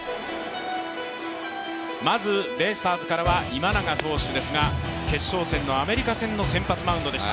まずベイスターズからは今永投手ですが、決勝戦のアメリカ戦の先発マウンドでした。